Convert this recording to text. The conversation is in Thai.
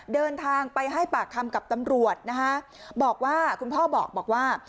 เดินทางไปให้ปากคำกับตำรวจนะคะบอกว่าคุณพ่อบอกว่า